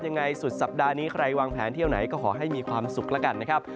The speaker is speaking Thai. ยังไงสุดสัปดาห์นี้ใครวางแผนเที่ยวไหนก็ขอให้มีความสุขแล้วกันนะครับ